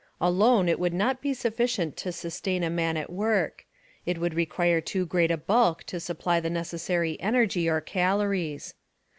Alone it would not be sufficient to sustain a man at work; it would require too great a bulk to supply the necessary energy or calories.